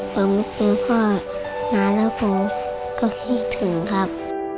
ผมคุณพ่อมาแล้วผมก็คิดถึงครับ